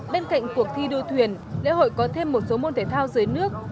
bên cạnh cuộc thi đua thuyền lễ hội có thêm một số môn thể thao dưới nước